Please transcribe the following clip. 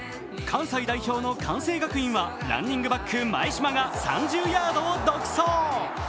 関西代表の関西学院はランニングバック・前島が３０ヤードを独走。